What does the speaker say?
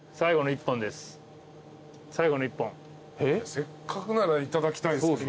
せっかくならいただきたいですけど。